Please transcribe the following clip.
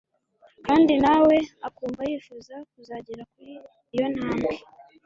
kandi nawe akumva yifuza kuzagera kuri iyo ntambwe